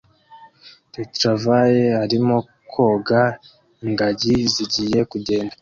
Retriever arimo koga ingagi zigiye kugenda